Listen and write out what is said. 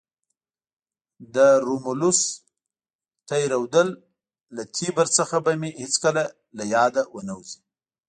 د رومولوس تی رودل له تیبر څخه به مې هیڅکله له یاده ونه وزي.